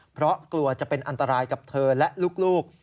เพราะกลัวจะเป็นอันตรายกับเธอและลูก